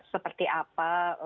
bahwa seperti apa